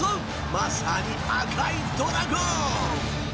まさに赤いドラゴン！